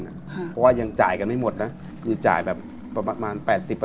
เพราะว่ายังจ่ายกันไม่หมดนะคือจ่ายแบบประมาณ๘๐